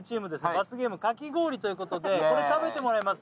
罰ゲームかき氷ということでこれ食べてもらいます